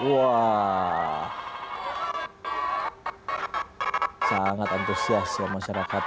wah sangat antusias ya masyarakat